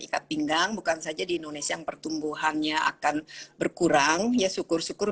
ikat pinggang bukan saja di indonesia yang pertumbuhannya akan berkurang ya syukur syukur